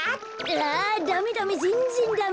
あダメダメぜんぜんダメ。